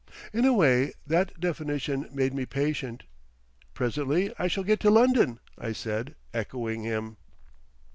In a way that definition made me patient. "Presently I shall get to London," I said, echoing him.